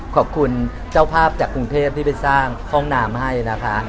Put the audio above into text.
ขอบคุณเจ้าภาพจากกรุงเทพที่ไปสร้างห้องน้ำให้นะคะ